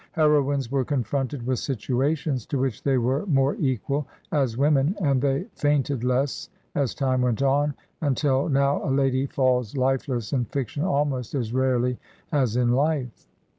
Heroines were confronted with situations to which they were more equal as women, and they fainted less as time went on, until now a lady " falls life less " in fiction almost as rarely as in life.